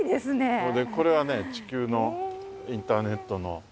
それでこれはね地球のインターネットの。